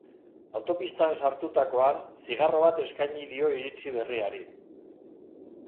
Autopistan sartutakoan zigarro bat eskaini dio iritsi berriari.